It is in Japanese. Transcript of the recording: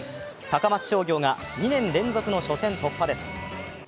高松商業が２年連続の初戦突破です